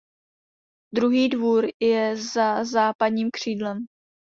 Druhý dvůr je za západním křídlem.